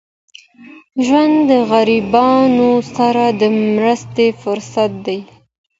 ژوند د غریبانو سره د مرستې فرصت دی.